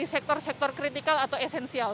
sektor sektor kritikal atau esensial